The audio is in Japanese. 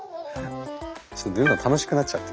ちょっと塗るの楽しくなっちゃった。